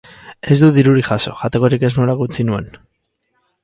Ez dut dirurik jaso, jatekorik ez nuelako utzi nuen.